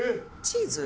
チーズ？